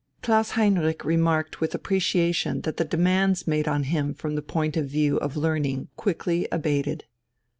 Klaus Heinrich remarked with appreciation that the demands made on him from the point of view of learning quickly abated.